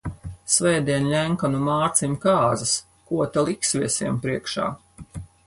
Svētdien Ļenkanu Mārcim kāzas, ko ta liks viesiem priekšā?